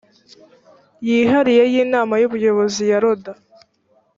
yihariye y inama y ubuyobozi ya loda